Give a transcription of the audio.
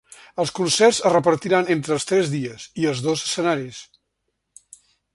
Els concerts es repartiran entre els tres dies i els dos escenaris.